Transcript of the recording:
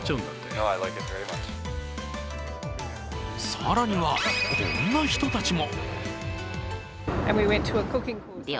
更には、こんな人たちも。